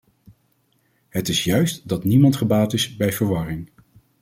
Het is juist dat niemand gebaat is bij verwarring.